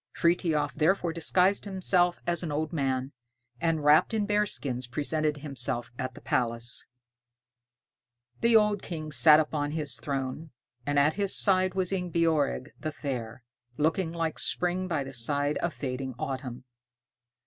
Frithiof. therefore disguised himself as an old man, and wrapped in bearskins, presented himself at the palace. The old King sat upon his throne, and at his side was Ingebjorg the Fair, looking like spring by the side of fading autumn.